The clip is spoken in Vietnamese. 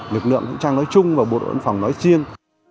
lực lượng vũ trang nói chung và bộ đội biên phòng nói riêng